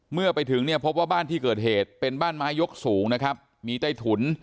เมื่อไปถึงเนี่ยพบว่าบ้านที่เกิดเหตุเป็นบ้านไม้ยกสูงนะครับมีใต้ถุน